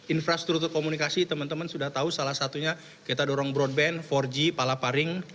infrastruktur komunikasi teman teman sudah tahu salah satunya kita dorong broadband empat g palaparing